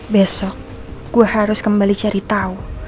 besok gue harus kembali cari tahu